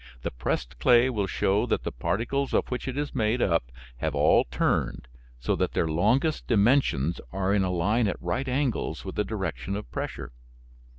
The pressed clay will show that the particles of which it is made up have all turned, so that their longest dimensions are in a line at right angles with the direction of pressure.